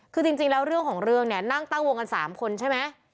คือจริงแล้วเรื่องของเรื่องเนี่ยนั่งตั้งวงกัน๓คนใช่ไหม